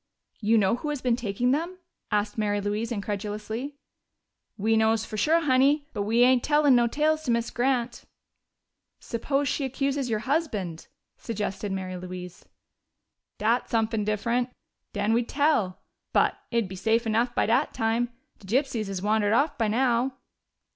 "You know who has been taking them?" asked Mary Louise incredulously. "We knows fo' sure, Honey. But we ain't tellin' no tales to Miz Grant." "Suppose she accuses your husband?" suggested Mary Louise. "Dat's sumpin' diff'rent. Den we'd tell. But it'd be safe enough by dat time. De gypsies has wandered off by now."